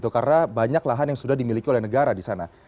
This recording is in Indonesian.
karena banyak lahan yang sudah dimiliki oleh negara di sana